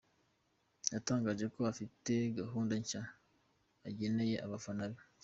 Yatangaje ko afite gahunda nshya ageneye abafana be.